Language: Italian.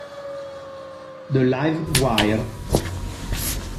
The Live Wire